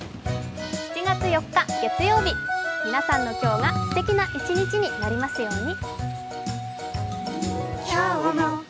７月４日月曜日、皆さんの今日がすてきな一日になりますように。